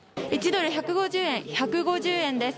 １ドル＝１５０円、１５０円です。